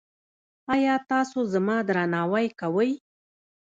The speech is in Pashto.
ایا تاسو زما درناوی کوئ؟